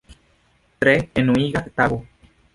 Tre enuiga tago.